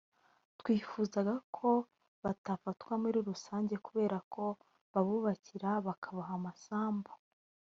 twifuzaga ko batafatwa muri rusange kubera ko babubakira bakabaha amasambu